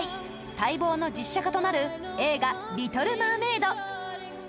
待望の実写化となる映画「リトル・マーメイド」